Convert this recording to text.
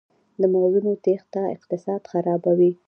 د مغزونو تیښته اقتصاد خرابوي؟